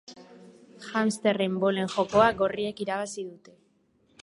Hamsterren bolen jokoa gorriek irabazi dute.